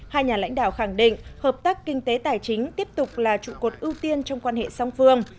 hai nhà lãnh đạo khẳng định hợp tác kinh tế tài chính tiếp tục là trụ cột ưu tiên trong quan hệ song phương